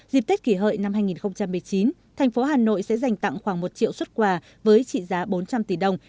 dịp tết kỷ hợi năm hai nghìn một mươi chín thành phố hà nội sẽ dành tặng khoảng một triệu xuất quà với trị giá bốn trăm linh tỷ đồng